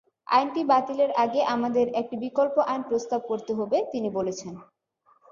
আইনটি বাতিলের আগে আমাদের একটি বিকল্প আইন প্রস্তাব করতে হবে, তিনি বলেছেন।